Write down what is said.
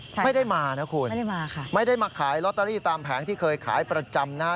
ใช่ไม่ได้มานะคุณไม่ได้มาค่ะไม่ได้มาขายลอตเตอรี่ตามแผงที่เคยขายประจำนะฮะ